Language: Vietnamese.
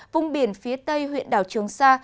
vùng biển phía tây huyện đảo trường sa